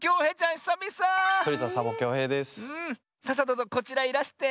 さあさあどうぞこちらいらして。